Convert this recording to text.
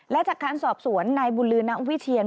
และจากการสอบสวนนายบุญลือณวิเชียน